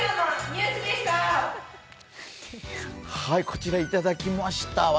こちら、いただきました。